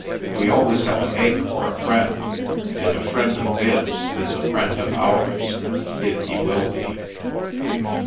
" We always have an egg for a friend, and a friend of Viv's is a friend of ours — if he will be."